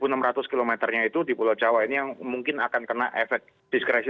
dan satu enam ratus km nya itu di pulau jawa ini yang mungkin akan kena efek diskresi